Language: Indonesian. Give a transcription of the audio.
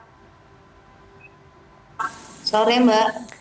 selamat sore mbak